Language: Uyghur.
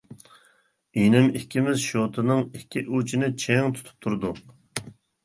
ئىنىم ئىككىمىز شوتىنىڭ ئىككى ئۇچىنى چىڭ تۇرۇپ تۇردۇق.